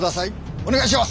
お願いします！